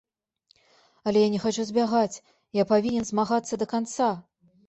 Але я не хачу збягаць, я павінен змагацца да канца.